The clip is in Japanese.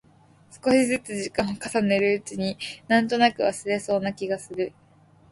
少しづつ時間を重ねるうちに、なんとなく忘れられそうな気がする。